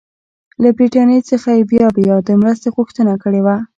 له برټانیې څخه یې بیا بیا د مرستې غوښتنه کړې وه.